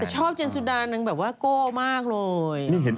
แต่ชอบเจนสุดานแบบวะโก๊ะมากเลย